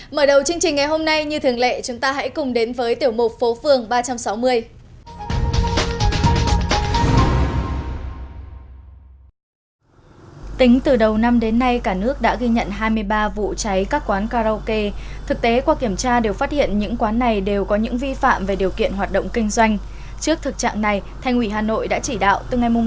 mở đầu chương trình ngày hôm nay như thường lệ chúng ta hãy cùng đến với tiểu mục phố phường ba trăm sáu mươi